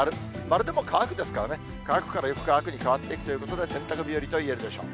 丸でも乾くですからね、乾くからよく乾くに変わっていくということで、洗濯日和といえるでしょう。